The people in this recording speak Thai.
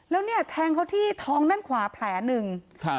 แล้วเนี่ยแทงเขาที่ท้องด้านขวาแผลหนึ่ง